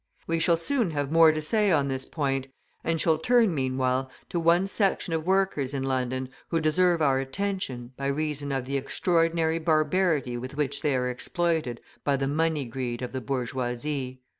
We shall soon have more to say on this point, and turn meanwhile to one section of workers in London who deserve our attention by reason of the extraordinary barbarity with which they are exploited by the money greed of the bourgeoisie.